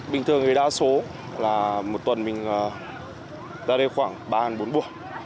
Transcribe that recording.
bình thường thì đa số là một tuần mình ra đây khoảng ba bốn buổi